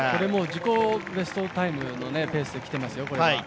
自己ベストタイムのペースできていますよ。